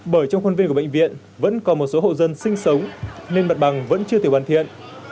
bởi trong khuôn viên của bệnh viện vẫn còn một số hộ dân sinh sống nên mặt bằng vẫn chưa thể hoàn thiện